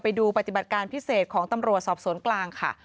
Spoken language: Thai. ไปดูปฏิบัติการพิเศษของตำรวจสอบสวนกลางค่ะ